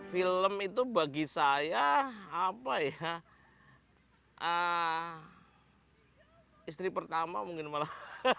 film itu bagi saya apa ya istri pertama mungkin malah